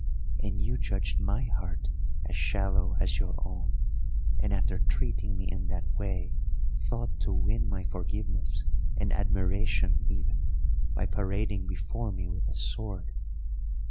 And you judged my heart as shallow as your own, and, after treating me in that way, thought to win my forgiveness, and admiration even, by parading before me with a sword!